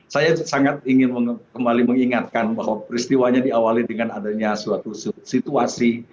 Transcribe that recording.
saya sangat ingin kembali mengingatkan bahwa peristiwanya diawali dengan adanya suatu situasi